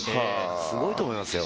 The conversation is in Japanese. すごいと思いますよ。